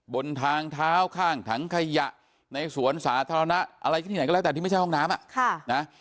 บนทางเท้าข้างถังขยะในสวนสาธารณะอะไรที่ไหนก็แล้วแต่ที่ไม่ใช่ห้องน้ำ